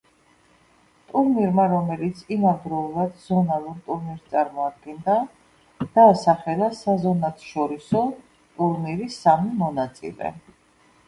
ტურნირმა, რომელიც იმავდროულად ზონალურ ტურნირს წარმოადგენდა, დაასახელა საზონათშორისო ტურნირის სამი მონაწილე.